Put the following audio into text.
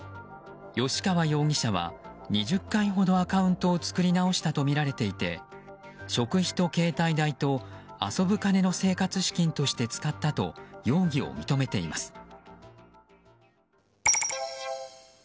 吉川容疑者は２０回ほどアカウントを作り直したとみられていて食費と携帯代と遊ぶ金の生活資金として使ったと容疑を認めています。